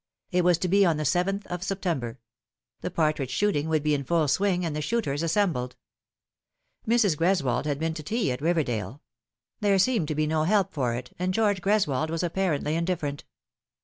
It was to be on the 7th of September : the partridge shooting would be in full swing, and the shooters assembled. Mrs. Greswold had been to tea at Riverdale. There seemed to be no help for it, and George Greswold was apparently indifferent.